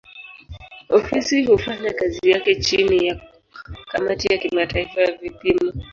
Ofisi hufanya kazi yake chini ya kamati ya kimataifa ya vipimo.